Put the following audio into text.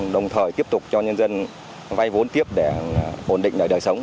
đồng thời tiếp tục cho nhân dân vay vốn tiếp để ổn định đời sống